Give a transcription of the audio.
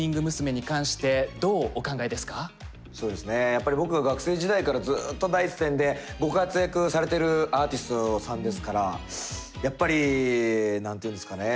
やっぱり僕が学生時代からずっと第一線でご活躍されてるアーティストさんですからやっぱり何ていうんですかね